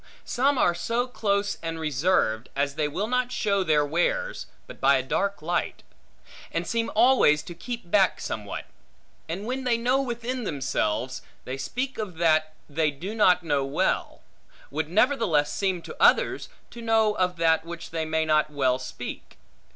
Some are so close and reserved, as they will not show their wares, but by a dark light; and seem always to keep back somewhat; and when they know within themselves, they speak of that they do not well know, would nevertheless seem to others, to know of that which they may not well speak.